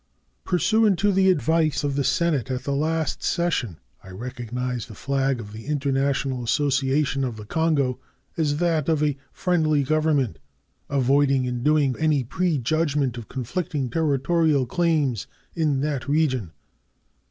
Pursuant to the advice of the Senate at the last session, I recognized the flag of the International Association of the Kongo as that of a friendly government, avoiding in so doing any prejudgment of conflicting territorial claims in that region.